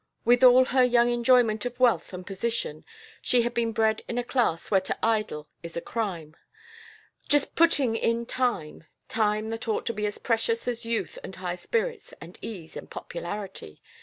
With, all her young enjoyment of wealth and position, she had been bred in a class where to idle is a crime. "Just putting in time time that ought to be as precious as youth and high spirits and ease and popularity!